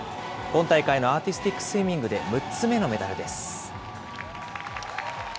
今大会のアーティスティックスイミングで６つ目のメダルです。